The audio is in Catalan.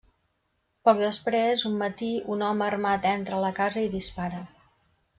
Poc després, un matí, un home armat entra a la casa i dispara.